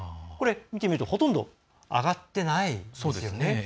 見てみると、ほとんど上がっていないですよね。